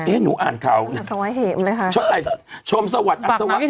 เอ๊ะหนูอ่านเขาอัสวะเหมเลยค่ะใช่ชมสวัสดิ์อัสวะเหมบอก